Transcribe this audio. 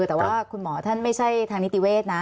แต่ว่าคุณหมอท่านไม่ใช่ทางนิติเวศนะ